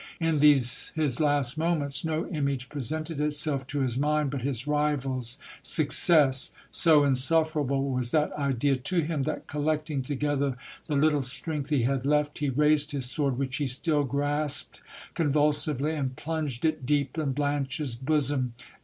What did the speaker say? In these his last moments, no image presented itself to his mind but his rival's success. So insufferable was that idea to him, that, collecting together the little strength he had left, he raised his sword, which he still grasped convulsively, and plunged it deep in Blanche's bosom.